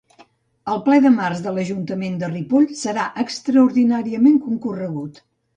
El ple de març de l'Ajuntament de Ripoll serà extraordinàriament concorregut.